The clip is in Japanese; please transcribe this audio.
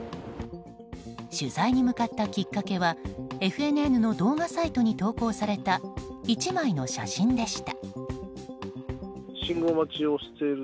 取材に向かったきっかけはＦＮＮの動画サイトに投稿された１枚の写真でした。